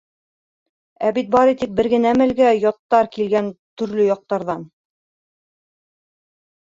...Ә бит бары тик бер генә мәлгә Яттар килгән төрлө яҡтарҙан.